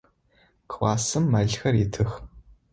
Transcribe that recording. Классым мэлхэр итых.